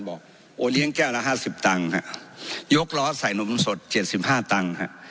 บอกโอเลี้ยงแก้วละห้าสิบตังค่ะยกล้อใส่นมสดเจ็ดสิบห้าตังค่ะ